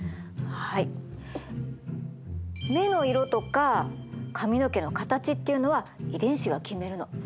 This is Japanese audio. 目の色とか髪の毛の形っていうのは遺伝子が決めるの。